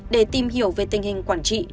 để tìm hiểu về tình hình quản trị